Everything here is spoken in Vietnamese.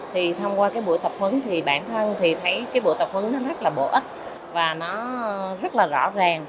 thì thông qua bữa tập huấn thì bản thân thấy bữa tập huấn rất là bổ ích và nó rất là rõ ràng